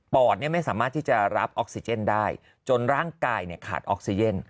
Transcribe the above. อดไม่สามารถที่จะรับออกซิเจนได้จนร่างกายขาดออกซิเจน